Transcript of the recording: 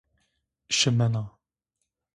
Şımena.